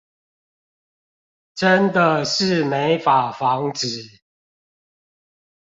真的是沒法防止